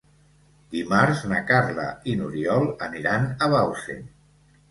Dimarts na Carla i n'Oriol aniran a Bausen.